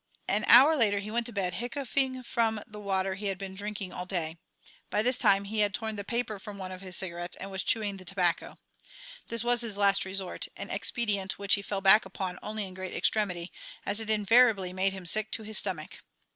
An hour later he went to bed, hiccoughing from the water he had been drinking all day. By this time he had torn the paper from one of his cigarettes and was chewing the tobacco. This was his last resort, an expedient which he fell back upon only in great extremity, as it invariably made him sick to his stomach.